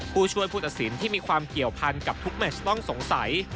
ผู้ช่วยผู้ตัดสินที่มีความเกี่ยวพันกับทุกแมชต้องสงสัย